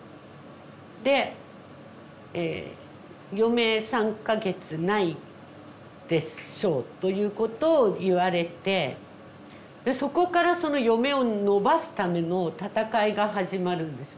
でえ「余命３か月ないでしょう」ということを言われてそこからその余命を延ばすための闘いが始まるんですよ。